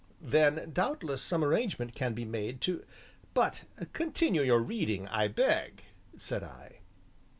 "Then doubtless some arrangement can be made to but continue your reading, I beg," said I.